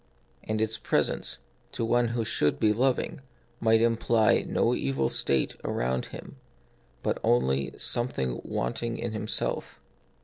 And its presence, to one who should be loving, might imply no evil state around him, but only something wanting in himself.